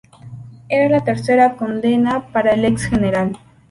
Era la tercera condena para el ex general.